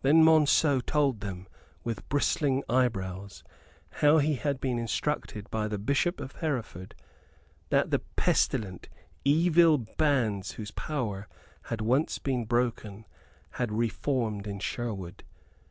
Then Monceux told them, with bristling eyebrows, how he had been instructed by the Bishop of Hereford that the pestilent evil bands whose power had once been broken had re formed in Sherwood.